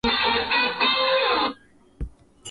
Kugeuka kwa rangi ya tando za kamasi ukosefu wa damu mwilini